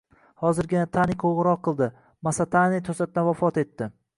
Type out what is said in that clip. Hozirgina Tani qo`ng`iroq kildi Masatane to`satdan vafot etdi